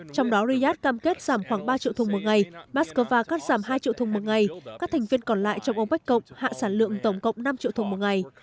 trong đó riyadh cam kết giảm khoảng ba triệu thùng một ngày moscow cắt giảm hai triệu thùng một ngày các thành viên còn lại trong opec cộng hạ sản lượng tổng cộng năm triệu thùng một ngày